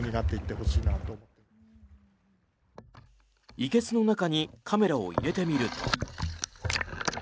いけすの中にカメラを入れてみると。